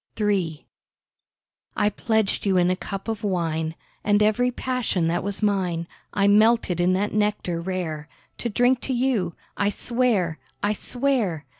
III I pledged you in a cup of wine, And every passion that was mine I melted in that nectar rare, To drink to you, I swear—I swear!